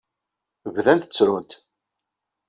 Bdant ttrunt.